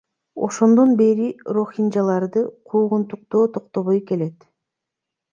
Ошондон бери рохинжаларды куугунтуктоо токтобой келет.